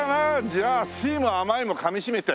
じゃあ酸いも甘いもかみしめて。